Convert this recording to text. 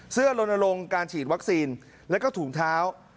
ลนลงการฉีดวัคซีนแล้วก็ถุงเท้า